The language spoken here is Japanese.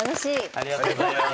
ありがとうございます。